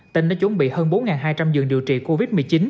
tỉnh đã chuẩn bị hơn bốn hai trăm linh giường điều trị covid một mươi chín